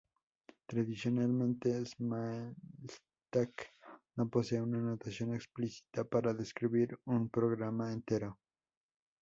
Tradicionalmente, Smalltalk no posee una notación explícita para describir un programa entero.